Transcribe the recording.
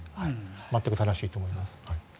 全く正しいと思います。